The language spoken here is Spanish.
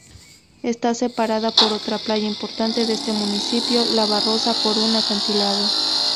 Está separada por otra playa importante de este municipio: La Barrosa por un acantilado.